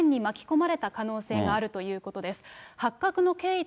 事件に巻き込まれた可能性があるということです。